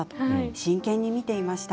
真剣に見ていました。